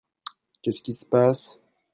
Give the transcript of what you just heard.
Qu'est-ce qui se passe ?